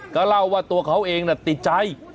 ก็เล่าว่าตัวเขาเองติดใจ